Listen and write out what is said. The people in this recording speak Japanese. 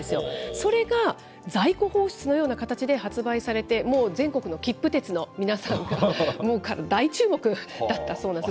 それが在庫放出のような形で発売されて、もう全国のきっぷ鉄の皆さんがもう大注目だったそうなんです。